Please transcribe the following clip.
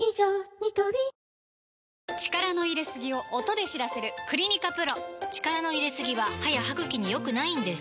ニトリ力の入れすぎを音で知らせる「クリニカＰＲＯ」力の入れすぎは歯や歯ぐきに良くないんです